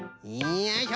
よいしょ。